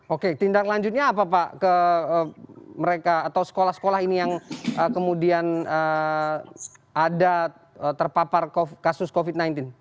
oke tindak lanjutnya apa pak ke mereka atau sekolah sekolah ini yang kemudian ada terpapar kasus covid sembilan belas